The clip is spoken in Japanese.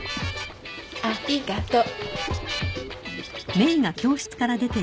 ありがと。